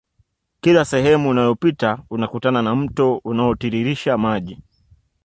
Kila sehemu unayopita utakutana na mto unaotiririsha maji